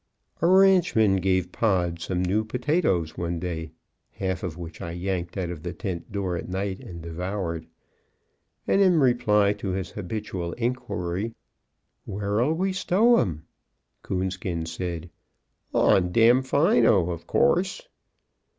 A ranchman gave Pod some new potatoes one day (half of which I yanked out of the tent door at night and devoured), and in reply to his habitual inquiry, "Where'll we stow 'em?" Coonskin said, "On Damfino, of course."